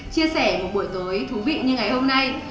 chia sẻ một buổi tối thú vị như ngày hôm nay